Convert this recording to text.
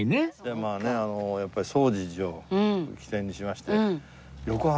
まあねあのやっぱり總持寺を起点にしまして横浜。